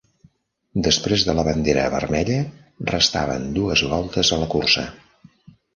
Després de la bandera vermella, restaven dues voltes a la cursa.